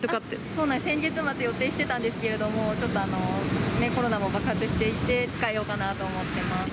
そうなんです、先月末、予定してたんですけれども、ちょっとね、コロナも爆発していて、控えようかなと思ってます。